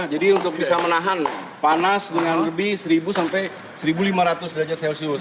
jadi untuk bisa menahan panas dengan lebih seribu sampai seribu lima ratus derajat celcius